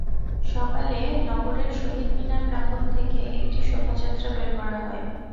সকালে নগরের শহীদ মিনার প্রাঙ্গণ থেকে একটি শোভাযাত্রা বের করা হয়।